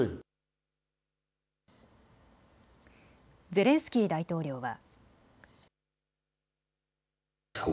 ゼレンスキー大統領は。